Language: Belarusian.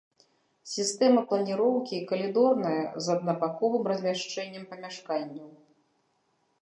Сістэма планіроўкі калідорная з аднабаковым размяшчэннем памяшканняў.